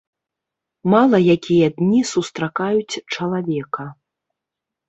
Мала якія дні сустракаюць чалавека.